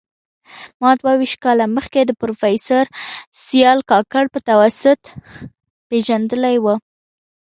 ما دوه ویشت کاله مخکي د پروفیسر سیال کاکړ په توسط پېژندلی و